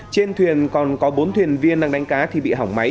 trên thuyền còn có bốn thuyền viên đang đánh cá thì bị hỏng máy